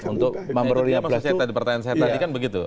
untuk memperoleh lima belas itu